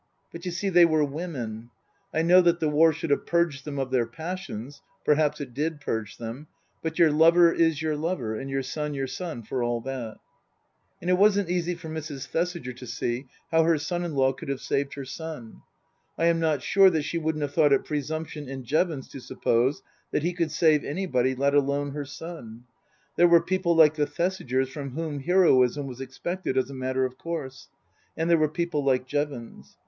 But, you see, they were women. I know that the war should have purged them of their passions (perhaps it did purge them) ; but your lover is your lover and your son your son for all that. And it wasn't easy for Mrs. Thesiger to see how her son in law could have saved her son. I am not sure that she wouldn't have thought it presumption in Jevons to suppose that he could save anybody, let alone her son. There were people like the Thesigers from whom heroism was expected as a matter of course ; and there were people like Jevons.